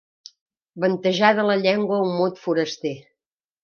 Ventejar de la llengua un mot foraster.